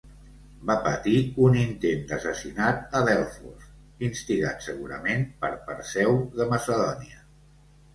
Va patir un intent d'assassinat a Delfos, instigat segurament per Perseu de Macedònia.